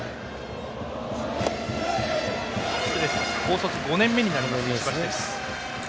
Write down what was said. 高卒５年目になります石橋です。